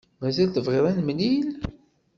Mazal tebɣiḍ ad nemlil?